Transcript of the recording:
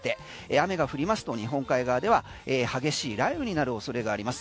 雨が降りますと日本海側では激しい雷雨になる恐れがあります。